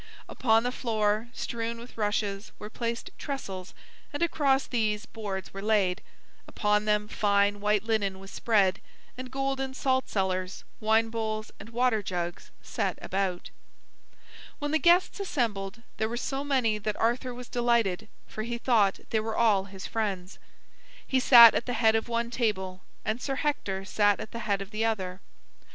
Upon the floor, strewn with rushes, were placed trestles, and across these, boards were laid. Upon them fine white linen was spread, and golden saltcellars, wine bowls, and water jugs set about. When the guests assembled there were so many that Arthur was delighted, for he thought they were all his friends. He sat at the head of one table, and Sir Hector sat at the head of the other.